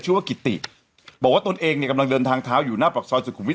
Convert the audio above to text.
ว่ากิติบอกว่าตนเองเนี่ยกำลังเดินทางเท้าอยู่หน้าปากซอยสุขุมวิท